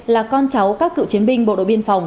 là con cháu các cựu chiến binh bộ đội biên phòng